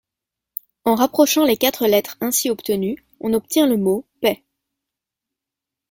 En rapprochant les quatre lettres, ainsi obtenues, on obtient le mot : PAIX.